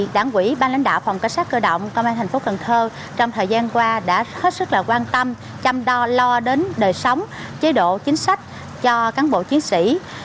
đảng quỹ ban lãnh đạo phòng cảnh sát cơ động công an thành phố cần thơ trong thời gian qua đã hết sức quan tâm chăm lo lo đến đời sống chế độ chính sách cho cán bộ chiến sĩ